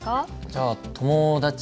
じゃあ友達に。